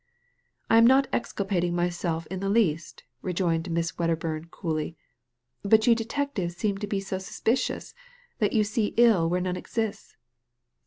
" I am not exculpating myself in the least," rejoined Miss Wcddcrbum, coldly, " but you detectives seem to be so suspicious that you see ill where none exists."